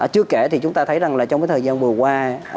trước kể thì chúng ta thấy rằng trong thời gian vừa qua